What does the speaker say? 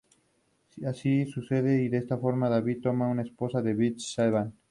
Rara vez existe un signo visible de la lesión cutánea.